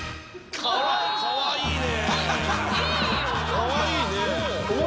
かわいいね。